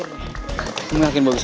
yeay tepuk tangan